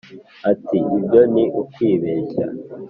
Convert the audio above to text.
Ati “Ibyo ni ukwibeshya